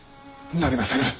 なりませぬ。